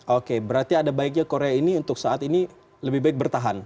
oke berarti ada baiknya korea ini untuk saat ini lebih baik bertahan